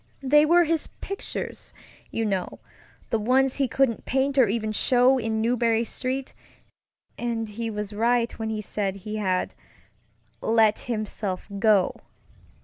They were his pictures, you knowŌĆöthe ones he couldn't paint or even show in Marlborough StreetŌĆöand he was right when he said he had "let himself go."